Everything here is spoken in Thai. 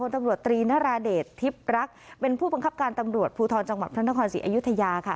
ตำรวจตรีนราเดชทิพย์รักเป็นผู้บังคับการตำรวจภูทรจังหวัดพระนครศรีอยุธยาค่ะ